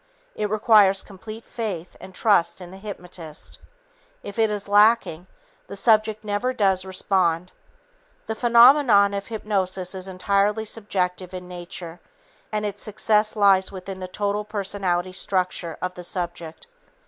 It requires complete faith and trust in the hypnotist. If it is lacking, the subject never does respond. The phenomenon of hypnosis is entirely subjective in nature, and its success lies within the total personality structure of the subject.